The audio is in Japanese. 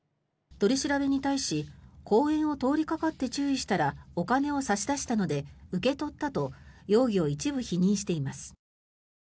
取り調べに対し公園を通りかかって注意したらお金を差し出したので受け取ったと容疑を一部否認しています。